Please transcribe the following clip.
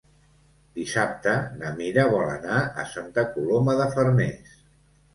Dissabte na Mira vol anar a Santa Coloma de Farners.